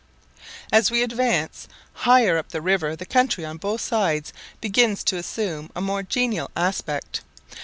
As we advance higher up the river the country on both sides begins to assume a more genial aspect.